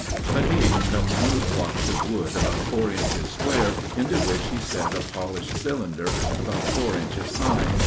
But H. cut smooth blocks of wood about four inches square, into which he set a polished cylinder about four inches high.